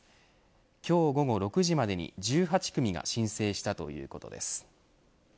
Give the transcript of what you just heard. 今日午後６時までに１８組が申請したということです。